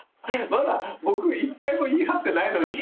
まだ僕１回も言い張ってないのに。